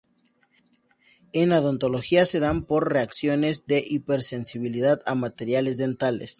En odontología se dan por reacciones de hipersensibilidad a materiales dentales.